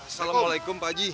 assalamualaikum pak haji